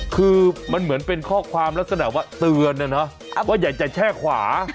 คือมันเหมือนเป็นข้อความลักษณะว่าเตือนนะเนาะว่าอยากจะแช่ขวา